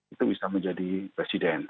itu bisa menjadi presiden